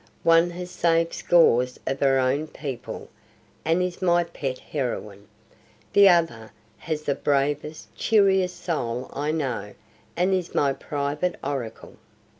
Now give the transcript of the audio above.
One has saved scores of her own people, and is my pet heroine. The other has the bravest, cheeriest soul I know, and is my private oracle."